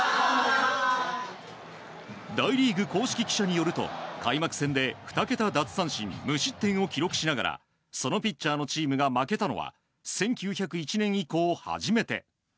大リーグ公式記者によると開幕戦で２桁奪三振無失点を記録しながらそのピッチャーのチームが負けたのは１９０１年以降初めて。